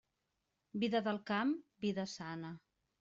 Vida del camp, vida sana.